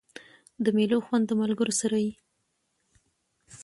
د مېلو خوند د ملګرو سره يي.